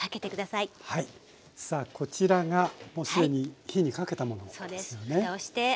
さあこちらがもう既に火にかけたものですよね。